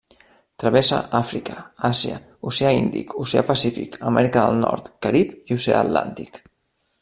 Travessa Àfrica, Àsia, Oceà Índic, Oceà Pacífic, Amèrica del Nord, Carib i Oceà Atlàntic.